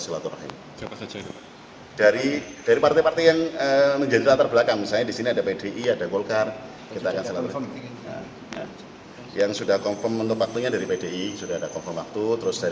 selalu dari dari partai partai yang menjadi latar belakang saya di sini ada pdi ada kolkar